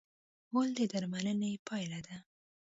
غول د درملنې پایله ده.